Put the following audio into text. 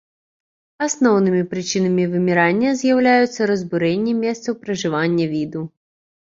Асноўнымі прычынамі вымірання з'яўляюцца разбурэнне месцаў пражывання віду.